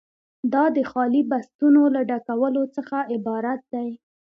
دا د خالي بستونو له ډکولو څخه عبارت دی.